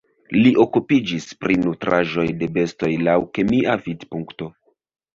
Li okupiĝis pri nutraĵoj de bestoj laŭ kemia vidpunkto.